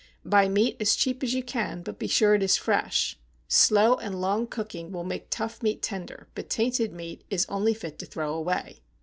Buy meat as cheap as you can, but be sure it is fresh; slow and long cooking will make tough meat tender, but tainted meat is only fit to throw away.